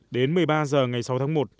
đến một mươi ba giờ ngày sáu tháng một